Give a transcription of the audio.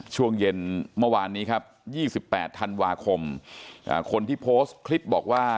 ช่วงเย็นเมื่อวานนี้ครับ๒๘ธันวาคมคนที่โพสต์คลิปบอกว่า